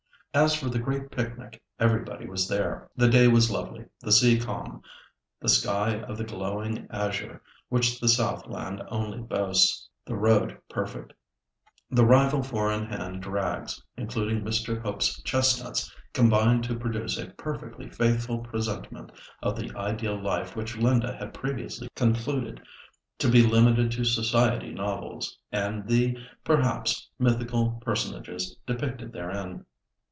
As for the great picnic, everybody was there. The day was lovely, the sea calm, the sky of the glowing azure which the south land only boasts, the road perfect. The rival four in hand drags, including Mr. Hope's chestnuts, combined to produce a perfectly faithful presentment of the ideal life which Linda had previously concluded to be limited to society novels, and the, perhaps, mythical personages depicted therein.